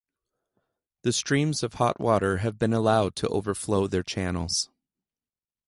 The streams of hot water have been allowed to overflow their channels.